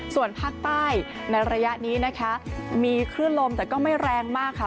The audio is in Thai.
ส่วนภาคใต้ในระยะนี้นะคะมีคลื่นลมแต่ก็ไม่แรงมากค่ะ